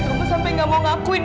kamu sampai gak mau ngakuin